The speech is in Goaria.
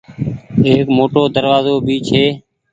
ايڪ موٽو دروآزو ڀي ڇي ۔